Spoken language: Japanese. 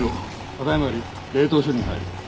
ただ今より冷凍処理に入る。